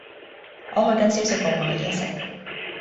我去緊小食部買嘢食